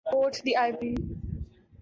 quote d' Ivory